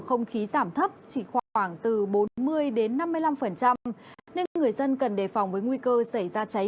khí giảm thấp chỉ khoảng từ bốn mươi đến năm mươi năm phần trăm nên người dân cần đề phòng với nguy cơ xảy ra cháy